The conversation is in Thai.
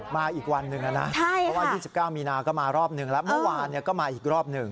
มาอีกวันหนึ่งนะเพราะว่า๒๙มีนาก็มารอบหนึ่งแล้วเมื่อวานก็มาอีกรอบหนึ่ง